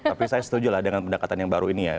tapi saya setuju lah dengan pendekatan yang baru ini ya